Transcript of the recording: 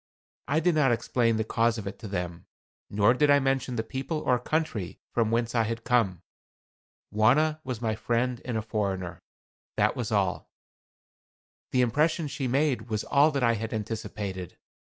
I did not explain the cause of it to them, nor did I mention the people or country from whence I had come. Wauna was my friend and a foreigner that was all. The impression she made was all that I had anticipated.